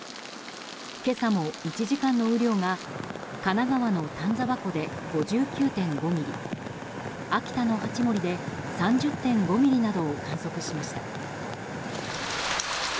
今朝も、１時間の雨量が神奈川県の丹沢湖で５９．５ミリ秋田の八森で３０．５ミリなどを観測しました。